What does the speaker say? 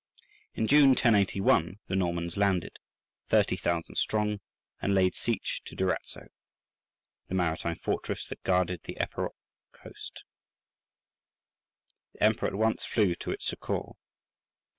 In June, 1081, the Normans landed, thirty thousand strong, and laid siege to Durazzo, the maritime fortress that guarded the Epirot coast. The Emperor at once flew to its succour.